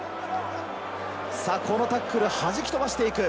このタックル弾き飛ばしていく。